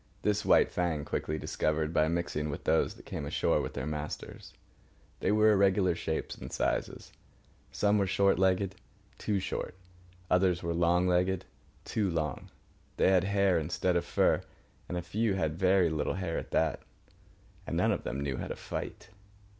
This White Fang quickly discovered by mixing with those that came ashore with their masters. They were irregular shapes and sizes. Some were short legged—too short; others were long legged—too long. They had hair instead of fur, and a few had very little hair at that. And none of them knew how to fight.